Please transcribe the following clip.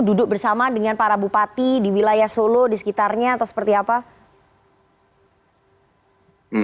duduk bersama dengan para bupati di wilayah solo di sekitarnya atau seperti apa uno enggak sih saya gak pernah sebut peserta terima kasih yang sudah disertai oleh saya yang maha dan